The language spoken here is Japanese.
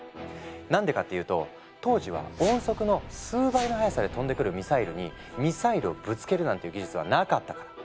なんでかっていうと当時は音速の数倍の速さで飛んでくるミサイルにミサイルをぶつけるなんていう技術はなかったから。